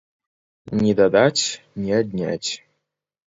Ні дадаць, ні адняць.